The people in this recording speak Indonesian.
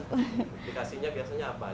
dikasihnya biasanya apa aja itu